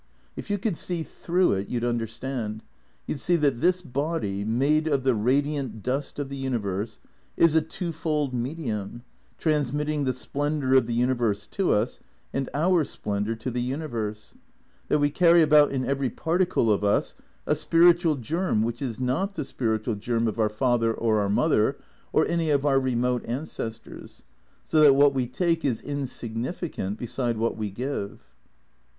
" If you could see through it you 'd understand, you 'd see that this body, made of the radiant dust of the universe, is a two fold medium, transmitting the splendour of the universe to us, and our splendour to the universe; that we carry about in every particle of us a spiritual germ which is not the spiritual germ of THECEEATORS 317 our father or our mother or any of our remote ancestors ; so that what we take is insignificant beside what we give."